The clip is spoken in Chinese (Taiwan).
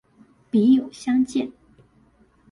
筆友相見